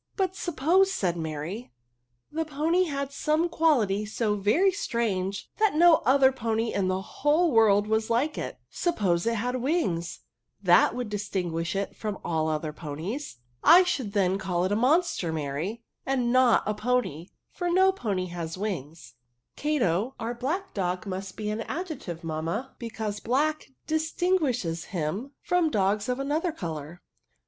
tc But suppose," said Mary, " the pony had some quality so very strange^ that no other pony in the whole world was like it. Suppose it had wings, that would distinguish it from all other ponies." " I should then call it a monster, Mary, and not a pony, for no pony has wings," '^ Cato, our blac]c dog, must be an ad jective, mamma, because black distinguishes* him from dog3 of another colour."